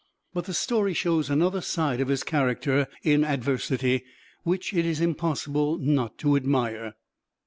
But the story shows another side of his character in adversity, which it is impossible not to admire.